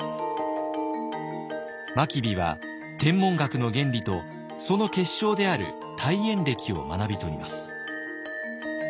真備は天文学の原理とその結晶である大衍暦を学びとります。